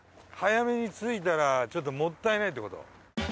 早めに着いたらちょっともったいないってこと？